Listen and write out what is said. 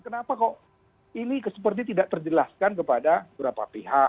kenapa kok ini seperti tidak terjelaskan kepada beberapa pihak